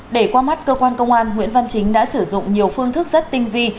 để qua mắt cơ quan công an nguyễn văn chính đã sử dụng nhiều phương thức rất tinh vi